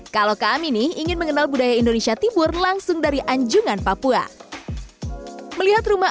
kalau kami ini ingin mengenal budaya indonesia timur langsung dari anjungan papua melihat rumah